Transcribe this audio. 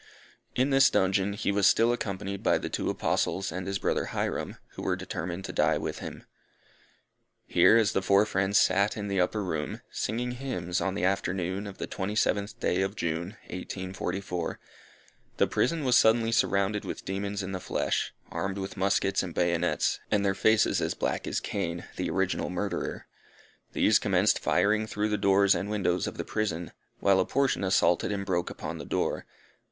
In this dungeon he was still accompanied by the two Apostles and his brother Hyrum, who were determined to die with him. Here as the four friends sat in the upper room, singing hymns, on the afternoon of the 27th day of June, 1844, the prison was suddenly surrounded with demons in the flesh, armed with muskets and bayonets, and their faces as black as Cain the original murderer. These commenced firing through the doors and windows of the prison, while a portion assaulted and broke open the door.